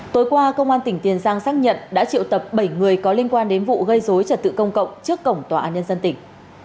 tối qua công an tỉnh tiền giang xác nhận đã triệu tập bảy người có liên quan đến vụ gây dối trật tự công cộng trước cổng tòa án nhân dân tỉnh